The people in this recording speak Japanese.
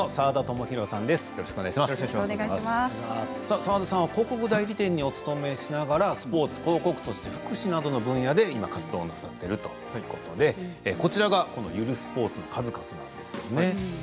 澤田さんは広告代理店にお勤めしながらスポーツ、広告、そして福祉などの分野で、今活動されているということでこちらがゆるスポーツの数々です。